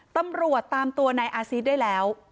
ตำรวจตามตัวนายอาซีสได้แล้ว